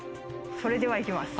それではいきます。